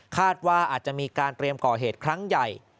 ว่าอาจจะมีการเตรียมก่อเหตุครั้งใหญ่